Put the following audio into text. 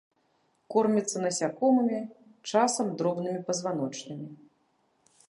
Корміцца насякомымі, часам дробнымі пазваночнымі.